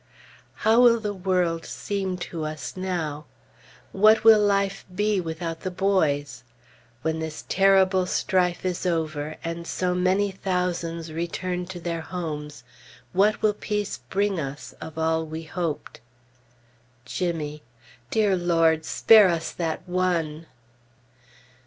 How will the world seem to us now? What will life be without the boys? When this terrible strife is over, and so many thousands return to their homes, what will peace bring us of all we hoped? Jimmy! Dear Lord, spare us that one!